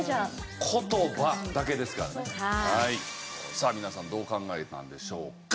さあ皆さんどう考えたんでしょうか？